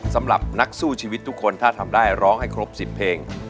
สำหรับนักสู้ชีวิตทุกคนถ้าทำได้ร้องให้ครบ๑๐เพลง